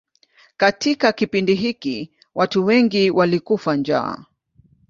Katika kipindi hiki watu wengi walikufa njaa.